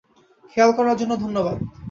খেয়াল করার জন্য ধন্যবাদ।